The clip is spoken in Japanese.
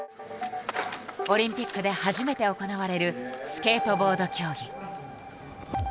オリンピックで初めて行われるスケートボード競技。